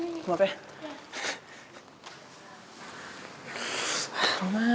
nah gimana sih roman